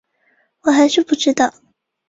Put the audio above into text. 我还是不知道